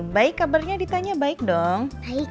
baik kabarnya ditanya baik dong